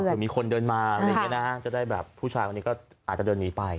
คือมีคนเดินมาอะไรอย่างนี้นะฮะจะได้แบบผู้ชายคนนี้ก็อาจจะเดินหนีไป